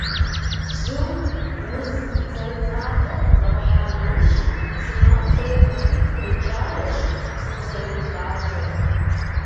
Бзум уз зэрыцӏалэ къыпкърыхьа нэужь, зы махуэ е махуитӏ дэкӏауэщ зыкъызэрыуигъащӏэр.